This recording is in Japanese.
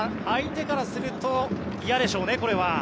相手からすると嫌でしょうね。